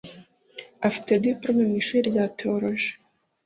afite dipolome mu ishuri ryatewologi